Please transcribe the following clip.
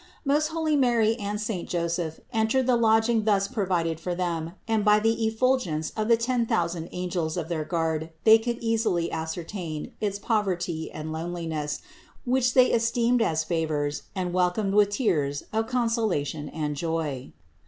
469. Most holy Mary and saint Joseph entered the lodging thus provided for them and by the effulgence of the ten thousand angels of their guard they could easily ascertain its poverty and loneliness, which they esteemed as favors and welcomed with tears of consolation and joy.